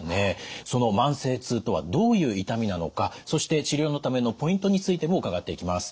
その慢性痛とはどういう痛みなのかそして治療のためのポイントについても伺っていきます。